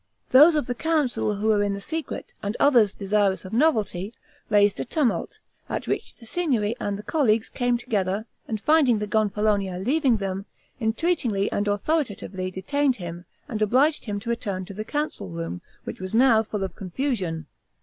Those of the council who were in the secret, and others desirous of novelty, raised a tumult, at which the Signory and the Colleagues came together, and finding the Gonfalonier leaving them, entreatingly and authoritatively detained him, and obliged him to return to the council room, which was now full of confusion.